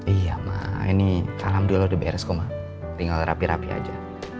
iya ma ini alhamdulillah udah beres kok ma tinggal rapih rapih aja